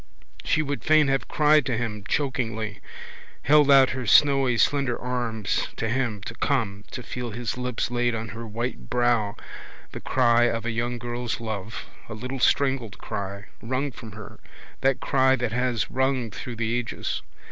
She would fain have cried to him chokingly, held out her snowy slender arms to him to come, to feel his lips laid on her white brow, the cry of a young girl's love, a little strangled cry, wrung from her, that cry that has rung through the ages.